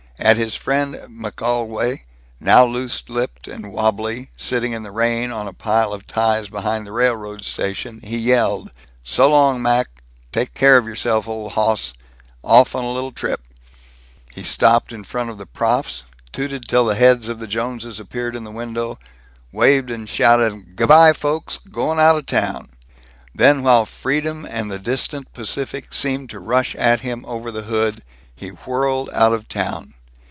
At his friend McGolwey; now loose lipped and wabbly, sitting in the rain on a pile of ties behind the railroad station, he yelled, "So long, Mac. Take care yourself, old hoss. Off on li'l trip." He stopped in front of the "prof's," tooted till the heads of the Joneses appeared at the window, waved and shouted, "G' by, folks. Goin' outa town." Then, while freedom and the distant Pacific seemed to rush at him over the hood, he whirled out of town.